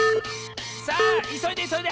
さあいそいでいそいで！